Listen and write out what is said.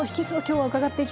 はい。